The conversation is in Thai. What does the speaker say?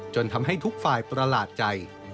ทำให้ทุกฝ่ายประหลาดใจ